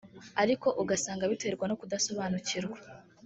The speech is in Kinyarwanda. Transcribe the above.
ariko ugasanga biterwa no kudasobanukirwa